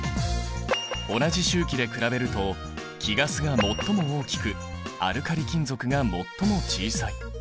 同じ周期で比べると貴ガスが最も大きくアルカリ金属が最も小さい。